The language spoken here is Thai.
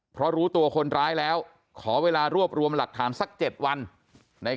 เพราะรู้ตัวคนร้ายแล้วขอเวลารวบรวมหลักฐานสัก๗วัน